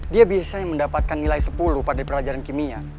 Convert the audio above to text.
dia biasanya mendapatkan nilai sepuluh pada pelajaran kimia